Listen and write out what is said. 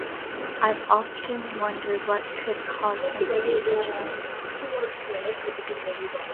I've often wondered what could cause him to do such things.